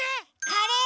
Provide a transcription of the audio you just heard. カレー。